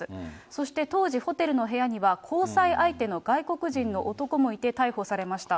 そして、当時、ホテルの部屋には、交際相手の外国人の男もいて、逮捕されました。